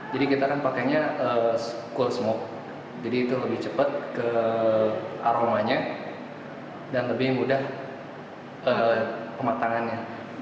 jadi kita akan pakainya cool smoke jadi itu lebih cepat ke aromanya dan lebih mudah pematangannya